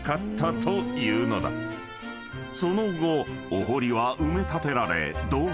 ［その後お堀は埋め立てられ道路に］